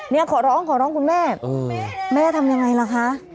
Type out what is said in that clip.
นี่ขอร้องคุณแม่แม่ทำอย่างไรล่ะคะ